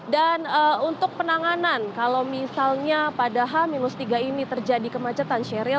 dan untuk penanganan kalau misalnya pada h tiga ini terjadi kemacetan